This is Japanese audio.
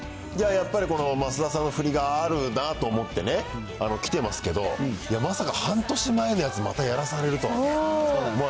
やっぱりこの増田さんのふりがあるなと思ってね、来てますけど、まさか半年前のやつ、またやらされるとはね。